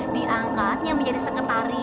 diangkatnya menjadi sekretaris